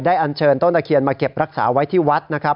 ได้อัญชย์เหลือต้นตะเคียนมาเก็บรักษาไว้ที่วัดนะครับ